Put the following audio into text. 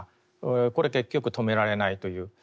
これ結局止められないという。